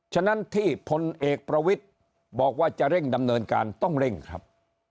ฉะนั้นที่พลเอกประวิทย์บอกว่าจะเร่งดำเนินการต้องเร่งครับ